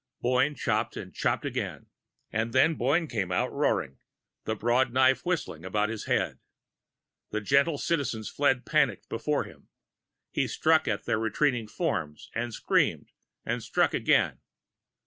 Boyne chopped and chopped again. And then Boyne came out, roaring, the broad knife whistling about his head. The gentle Citizens fled panicked before him. He struck at their retreating forms and screamed and struck again.